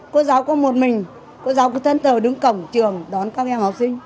cô giáo có một mình cô giáo có thân tờ đứng cổng trường đón các em học sinh